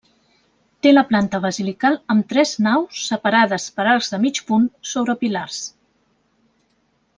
Té la planta basilical amb tres naus separades per arcs de mig punt sobre pilars.